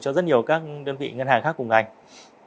cho rất nhiều các đơn vị ngân hàng khác cùng ngành